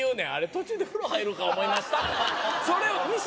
途中で風呂入るか思いましたって